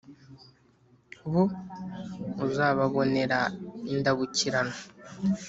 Bo uzababonera Indabukirano